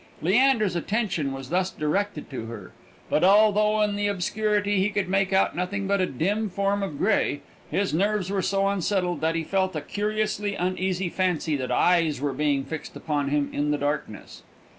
Leander's attention was thus directed to her; but, although in the obscurity he could make out nothing but a dim form of grey, his nerves were so unsettled that he felt a curiously uneasy fancy that eyes were being fixed upon him in the darkness.